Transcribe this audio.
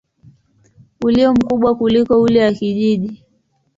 ulio mkubwa kuliko ule wa kijiji.